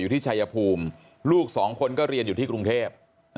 ที่ชายภูมิลูกสองคนก็เรียนอยู่ที่กรุงเทพ